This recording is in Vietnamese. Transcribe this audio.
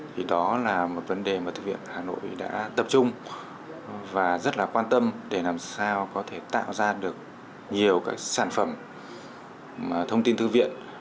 thì đó là một vấn đề mà thư viện hà nội đã tập trung và rất là quan tâm để làm sao có thể tạo ra được nhiều cái sản phẩm thông tin thư viện